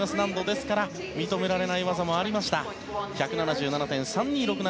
ですから、認められない技もありました。１７７．３２６７。